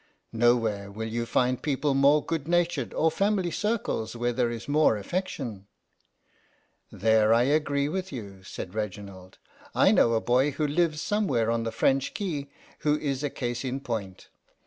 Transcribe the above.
Nowhere will you find people more good natured, or family circles where there is more affection." " There I agree with you," said Reginald. " I know a boy who lives somewhere on the French Quay who is a case in point.